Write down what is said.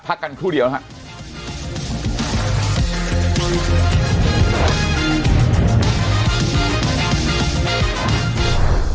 พักกันครู่เดียวนะครับ